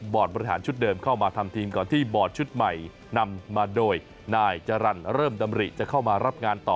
บริหารชุดเดิมเข้ามาทำทีมก่อนที่บอร์ดชุดใหม่นำมาโดยนายจรรย์เริ่มดำริจะเข้ามารับงานต่อ